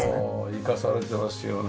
生かされてますよね。